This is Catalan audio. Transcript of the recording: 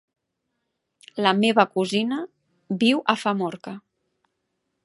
La meva cosina viu a Famorca.